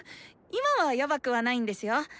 今はヤバくはないんですよ。